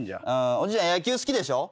おじいちゃん野球好きでしょ？